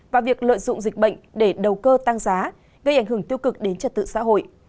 và việc lợi dụng dịch bệnh để đầu cơ tăng giá gây ảnh hưởng tiêu cực đến trật tự xã hội